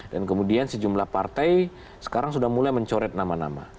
dan kemudian sejumlah partai sekarang sudah mulai mencoret nama nama